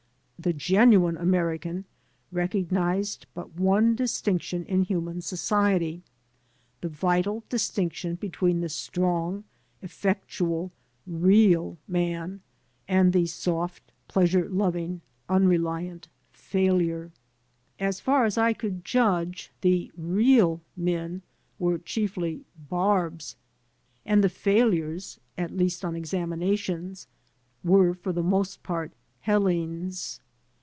The genuine American recog nized but one distinction in human society — ^the vital distinction between the strong, effectual, "real man and the soft, pleasure loving, unreliant failure. As far 211 AN AMERICAN IN THE MAKING as I could judge, the "real" men were chiefly "barbs" and the failures (at least on examinations) were for the most part ''hellenes."